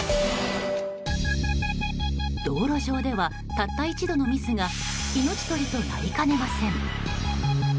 道路上ではたった一度のミスが命取りとなりかねません。